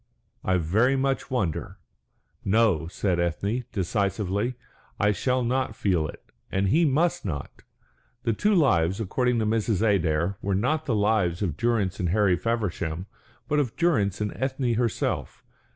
I very much wonder." "No," said Ethne, decisively. "I shall not feel it, and he must not." The two lives, according to Mrs. Adair, were not the lives of Durrance and Harry Feversham, but of Durrance and Ethne herself.